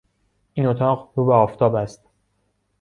این اتاق رو به آفتاب است.